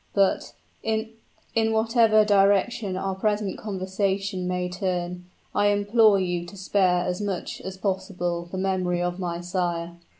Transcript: But, in whatever direction our present conversation may turn, I implore you to spare as much as possible the memory of my sire."